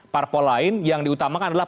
parpol lain yang diutamakan adalah